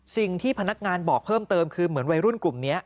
สิ่งที่พนักงานบอกเพิ่มเติมคือเหมือนวัยรุ่นกลุ่มนี้